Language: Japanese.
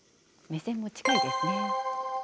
目線も近いですね。